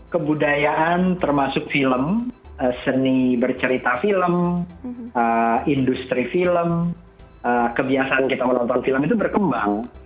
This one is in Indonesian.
kebudayaan termasuk film seni bercerita film industri film kebiasaan kita menonton film itu berkembang